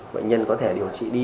bệnh nhân có thể điều trị đi